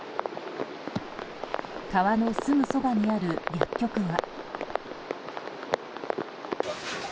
川のすぐそばにある薬局は。